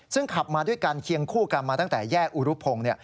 ซึ่งขับมาด้วยกันเคียงคู่กันมาตั้งแต่แยกอุรุพงศ์